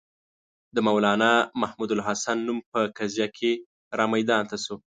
د مولنا محمودالحسن نوم په قضیه کې را میدان ته شو.